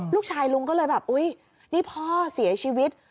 ลุงก็เลยแบบอุ๊ยนี่พ่อเสียชีวิต